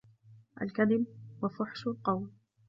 الْكَذِبُ وَفُحْشُ الْقَوْلِ